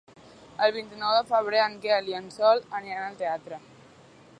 El vint-i-nou de febrer en Quel i en Sol aniran al teatre.